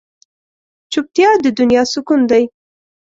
چوپتیا، د دنیا سکون دی.